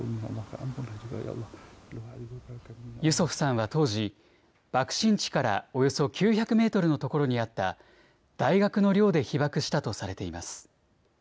ユソフさんは当時、爆心地からおよそ９００メートルの所にあった大学の寮で被爆したとされています。